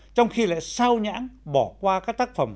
trong khi lại sao nhãn bỏ qua các tác phẩm